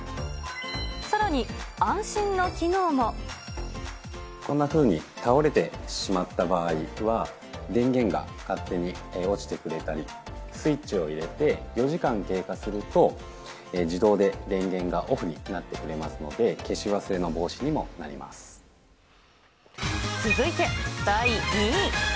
さらに、こんなふうに倒れてしまった場合は、電源が勝手に落ちてくれたり、スイッチを入れて４時間経過すると、自動で電源がオフになってくれますので、消し忘れの防止にもなり続いて第２位。